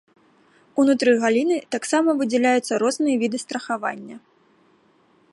Унутры галіны таксама выдзяляюцца розныя віды страхавання.